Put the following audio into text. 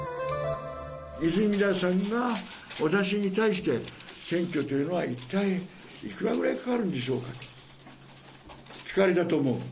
泉田さんが私に対して選挙というのは一体いくらぐらいかかるんでしょうか？と聞かれたと思う。